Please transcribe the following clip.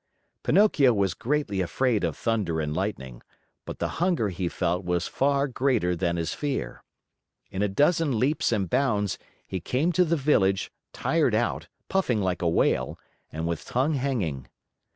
Pinocchio was greatly afraid of thunder and lightning, but the hunger he felt was far greater than his fear. In a dozen leaps and bounds, he came to the village, tired out, puffing like a whale, and with tongue hanging.